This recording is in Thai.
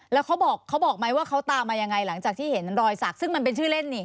แล้วเขาบอกเขาบอกไหมว่าเขาตามมายังไงหลังจากที่เห็นรอยสักซึ่งมันเป็นชื่อเล่นนี่